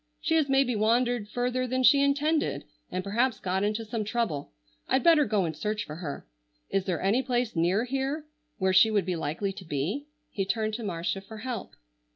She has maybe wandered further than she intended, and perhaps got into some trouble. I'd better go and search for her. Is there any place near here where she would be likely to be?" He turned to Marcia for help.